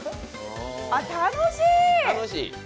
楽しい！